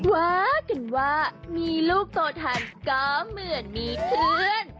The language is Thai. ว่ากันว่ามีลูกโตทันก็เหมือนมีเพื่อน